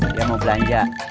dia mau belanja